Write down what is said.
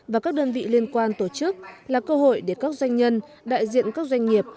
và các đơn vị liên quan tổ chức là cơ hội để các doanh nhân đại diện các doanh nghiệp